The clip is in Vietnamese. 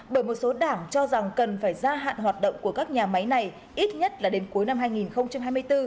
bởi một số đảng cho rằng cần phải gia hạn hoạt động của các nhà máy này ít nhất là đến cuối năm hai nghìn hai mươi bốn